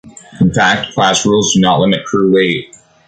In fact, class rules do not limit crew weight.